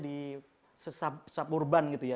di suburban gitu ya